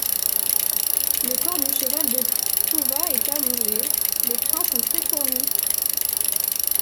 Le corps du cheval de Touva est allongé, les crins sont très fournis.